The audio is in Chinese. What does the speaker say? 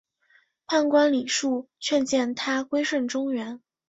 判官李恕劝谏他归顺中原。